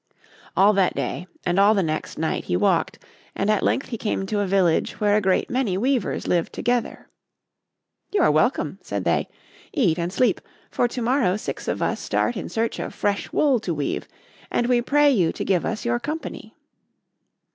All that day and all the next night he walked, and at length he came to a village where a great many weavers lived together. 'You are welcome,' said they. 'Eat and sleep, for to morrow six of us start in search of fresh wool to weave, and we pray you to give us your company.